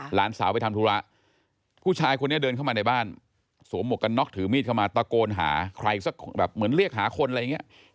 หลานสาวไปทำธุระผู้ชายคนนี้เดินเข้ามาในบ้านสวมหมวกกันน็อกถือมีดเข้ามาตะโกนหาใครสักแบบเหมือนเรียกหาคนอะไรอย่างนี้